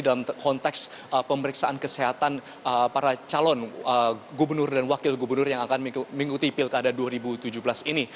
dalam konteks pemeriksaan kesehatan para calon gubernur dan wakil gubernur yang akan mengikuti pilkada dua ribu tujuh belas ini